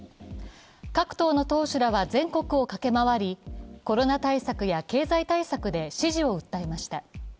各党の党首らは全国を駆け回りコロナ対策や経済対策で支持を訴えました。